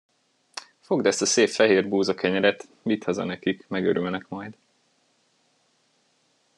Fogd ezt a szép fehér búzakenyeret, vidd haza nekik, megörülnek majd.